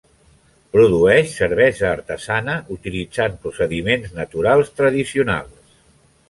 Produeix cervesa artesana, utilitzant procediments naturals tradicionals.